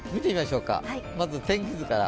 まず天気図から。